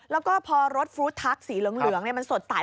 แล้วก็พอรสฟรุตทักสีเหลืองเนี่ยมันสดใส